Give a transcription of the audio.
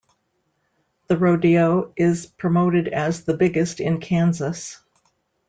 The rodeo is promoted as the biggest in Kansas.